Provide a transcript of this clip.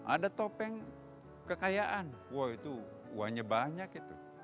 ada topeng kekayaan wah itu uangnya banyak itu